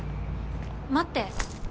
待って。